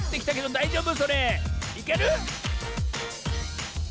⁉だいじょうぶ？